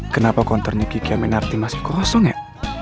kenapa kontornya kiki aminarti masih kosong ya